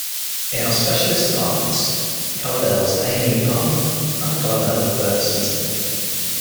It has specialist departments: Calderdale's A and E department and the Calderdale Birth Centre.